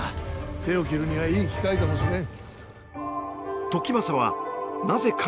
手を切るにはいい機会かもしれん。